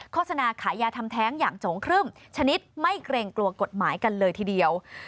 โฆษณาขายยาทำแท้งอย่างโจงครึ่มชนิดไม่เกรงกลัวกฎหมายกันเลยทีเดียว